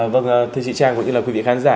vâng thưa chị trang cũng như là quý vị khán giả